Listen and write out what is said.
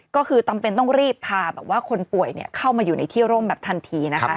ก็คือต้องรีบพาคนป่วยเข้ามาอยู่ในที่ร่มแบบทันที